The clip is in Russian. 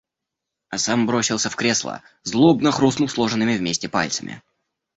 А сам бросился в кресло, злобно хрустнув сложенными вместе пальцами...